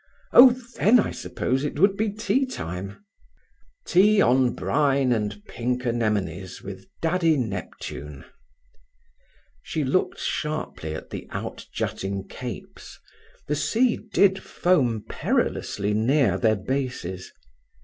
Oh, then, I suppose, it would be tea time." "Tea on brine and pink anemones, with Daddy Neptune." She looked sharply at the outjutting capes. The sea did foam perilously near their bases.